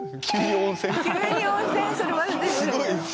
すごい。